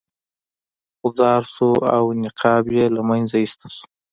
غوځار شو او نقاب یې له مخه ایسته شو.